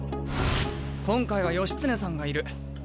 今回は義経さんがいる。